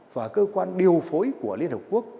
và cơ quan điều phối của liên hợp quốc